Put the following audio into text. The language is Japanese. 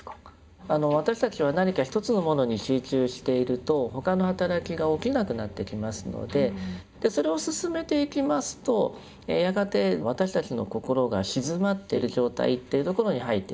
私たちは何か一つのものに集中していると他の働きが起きなくなってきますのでそれを進めていきますとやがて私たちの心が静まってる状態っていうところに入っていきます。